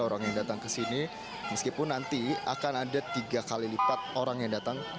orang yang datang ke sini meskipun nanti akan ada tiga kali lipat orang yang datang